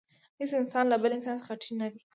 هېڅ انسان له بل انسان څخه ټیټ نه دی.